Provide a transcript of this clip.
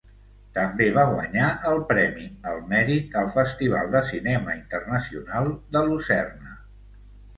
També va guanyar el Premi al Mèrit al Festival de Cinema Internacional de Lucerna.